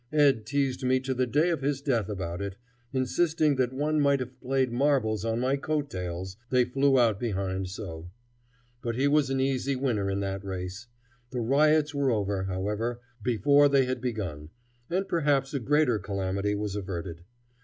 Ed teased me to the day of his death about it, insisting that one might have played marbles on my coat tails, they flew out behind so. But he was an easy winner in that race. The riots were over, however, before they had begun, and perhaps a greater calamity was averted.